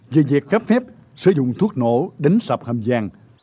về việc cấp phép sử dụng thuốc nổ đánh sập hầm giàng